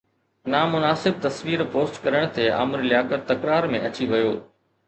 نامناسب تصوير پوسٽ ڪرڻ تي عامر لياقت تڪرار ۾ اچي ويو